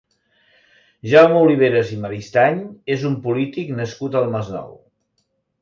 Jaume Oliveras i Maristany és un polític nascut al Masnou.